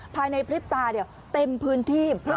ภายในพริบตาเต็มพื้นที่